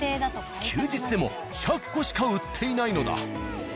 休日でも１００個しか売っていないのだ。